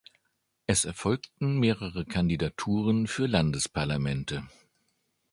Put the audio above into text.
Es erfolgten mehrere Kandidaturen für Landesparlamente.